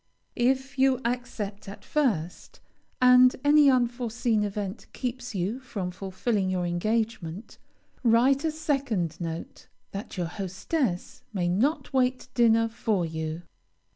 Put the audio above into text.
If you accept at first, and any unforeseen event keeps you from fulfilling your engagement, write a second note, that your hostess may not wait dinner for you.